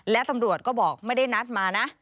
และตำรวจก็บอกไม่ได้นัดมานะ